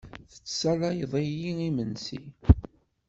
Tettsayaleḍ-iyi imensi.